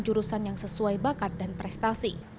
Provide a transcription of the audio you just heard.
jurusan yang sesuai bakat dan prestasi